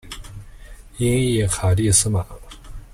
音译卡蒂斯玛。